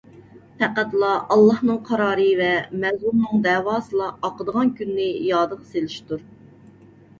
پەقەتلا ئاللاھنىڭ قارارى ۋە مەزلۇمنىڭ دەۋاسىلا ئاقىدىغان كۈننى يادىغا سېلىشتۇر.